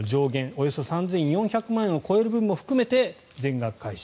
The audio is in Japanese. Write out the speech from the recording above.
およそ３４００万円を超える分も含めて全額買収。